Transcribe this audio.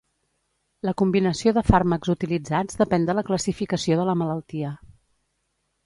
La combinació de fàrmacs utilitzats depèn de la classificació de la malaltia.